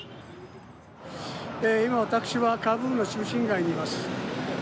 今、私はカブールの中心街にいます。